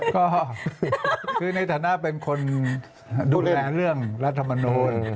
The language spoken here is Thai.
ก็คือในฐานะเป็นคนดูแลเรื่องรัฐมนูล